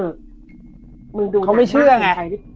เค้าไม่เชื่อไง